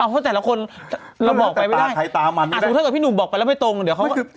สูงเท้ากับพี่หนูบอกไปแล้วไม่ตรงเดี๋ยวเขาก็